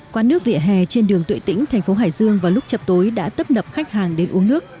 quán nước vỉa hè trên đường tuệ tĩnh thành phố hải dương vào lúc chập tối đã tấp nập khách hàng đến uống nước